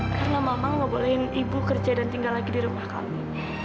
karena mama gak bolehin ibu kerja dan tinggal lagi di rumah kami